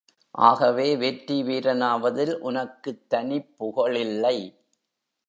ஆகவே வெற்றி வீரனாவதில் உனக்குத் தனிப் புகழில்லை.